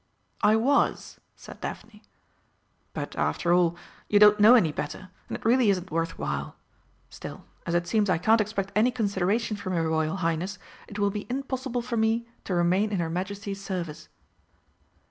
"I was," said Daphne; "but, after all, you don't know any better, and it really isn't worth while. Still, as it seems I can't expect any consideration from your Royal Highness, it will be impossible for me to remain in her Majesty's service."